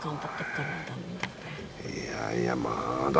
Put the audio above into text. いやいやまーだ